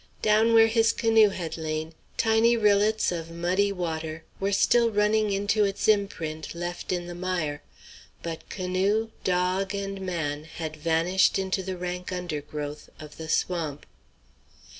Down where his canoe had lain, tiny rillets of muddy water were still running into its imprint left in the mire; but canoe, dog, and man had vanished into the rank undergrowth of the swamp.